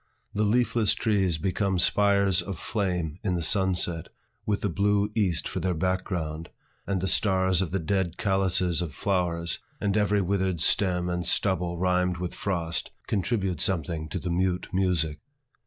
The leafless trees become spires of flame in the sunset, with the blue east for their back ground, and the stars of the dead calices of flowers, and every withered stem and stubble rimed with frost, contribute something to the mute music.